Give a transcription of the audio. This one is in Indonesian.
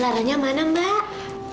laranya mana mbak